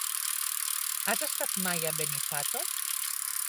Has estat mai a Benifato?